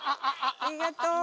ありがとう。